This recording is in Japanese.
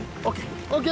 ＯＫ。